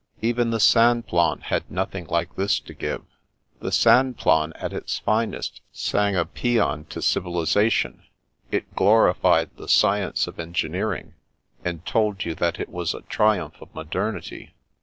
Even the Simplon had nothing like this to give. The Simplon at its finest sang a psean to civilisa tion ; it glorified the science of engineering, and told you that it was a triumph of modernity.